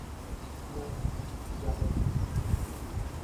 নাহ, যাবো না।